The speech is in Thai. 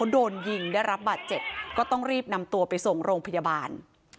โดนยิงได้รับบาดเจ็บก็ต้องรีบนำตัวไปส่งโรงพยาบาล